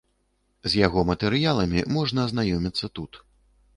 З яго матэрыяламі можна азнаёміцца тут.